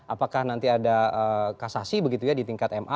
apakah nanti ada kasasi begitu ya di tingkat ma